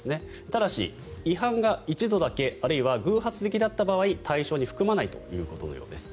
ただし、違反が一度だけあるいは偶発的だった場合対象に含まないということのようです。